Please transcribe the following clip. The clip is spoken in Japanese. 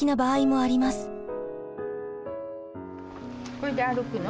これで歩くの？